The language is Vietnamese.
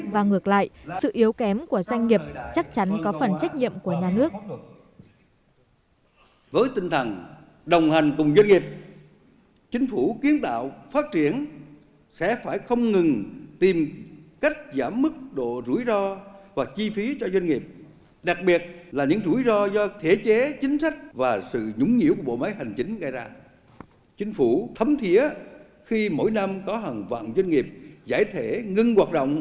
và ngược lại sự yếu kém của doanh nghiệp chắc chắn có phần trách nhiệm của nhà nước